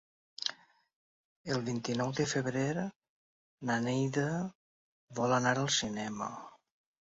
El vint-i-nou de febrer na Neida vol anar al cinema.